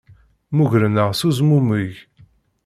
Mmugren-aɣ s uzmumeg.